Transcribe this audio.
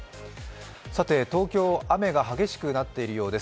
さて東京、雨が激しくなっているようです。